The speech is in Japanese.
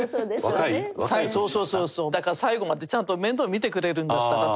若い若い年下？だから最後までちゃんと面倒見てくれるんだったらさ。